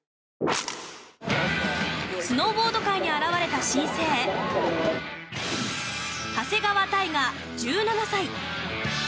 スノーボード界に現れた新星長谷川帝勝、１７歳。